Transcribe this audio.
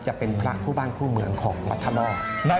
จะเป็นพระคู่บ้านคู่เมืองของพัทธนอก